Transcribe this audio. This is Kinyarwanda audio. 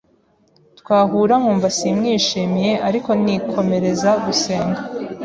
Twahura nkumva simwishimiye, ariko nikomereza gusenga.